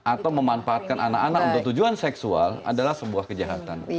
atau memanfaatkan anak anak untuk tujuan seksual adalah sebuah kejahatan